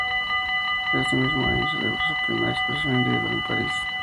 Ese mismo año celebró su primera exposición individual en París.